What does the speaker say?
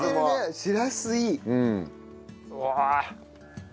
うわ！